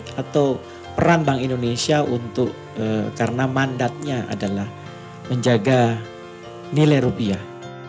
atau peran bank indonesia untuk karena mandatnya adalah menjaga nilai rupiah